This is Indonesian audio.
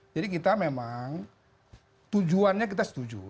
kita memang tujuannya kita setuju